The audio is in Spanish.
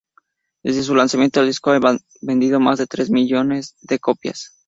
Desde su lanzamiento, el disco ha vendido más de tres millones de copias.